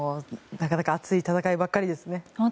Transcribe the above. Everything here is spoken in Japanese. なかなか熱い戦いばかりですね。